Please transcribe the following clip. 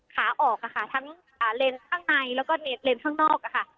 ขาออกอ่ะค่ะทั้งอ่าเลนส์ข้างในแล้วก็เลนส์เลนส์ข้างนอกอ่ะค่ะ